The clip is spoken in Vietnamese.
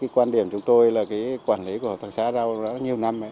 quan điểm chúng tôi là quản lý của thị trường rau rất nhiều năm